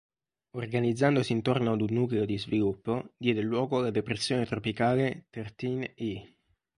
Organizzandosi intorno ad un nucleo di sviluppo, diede luogo alla depressione tropicale "Thirteen-E".